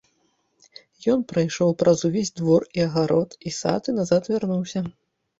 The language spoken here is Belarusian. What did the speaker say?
Ён прайшоў праз увесь двор і агарод, і сад і назад вярнуўся.